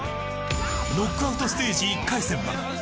ノックアウトステージ１回戦は。